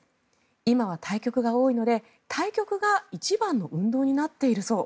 今は対局が多いので対局が一番の運動になっているそう。